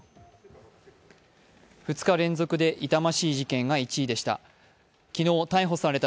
２日連続で痛ましい事件が１位でした。